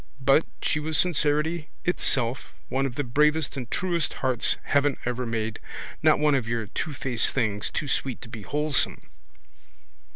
But she was sincerity itself, one of the bravest and truest hearts heaven ever made, not one of your twofaced things, too sweet to be wholesome.